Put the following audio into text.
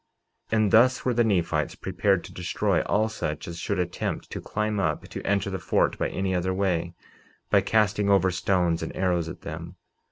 49:19 And thus were the Nephites prepared to destroy all such as should attempt to climb up to enter the fort by any other way, by casting over stones and arrows at them.